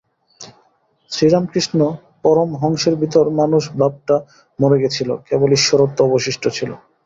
শ্রীরামকৃষ্ণ পরমহংসের ভিতর মানুষ-ভাবটা মরে গিছল, কেবল ঈশ্বরত্ব অবশিষ্ট ছিল।